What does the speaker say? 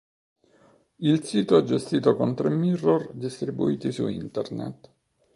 Il sito è gestito con tre mirror distribuiti su Internet.